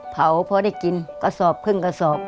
เผาเพราะได้กินกระสอบเพิ่งกระสอบ